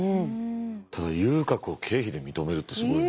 ただ遊郭を経費で認めるってすごいね。